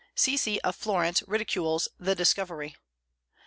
Sissi of Florence ridicules the discovery.